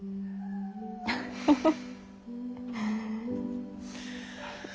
フフフ。